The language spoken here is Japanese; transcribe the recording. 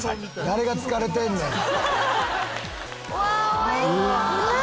誰が疲れてんねん！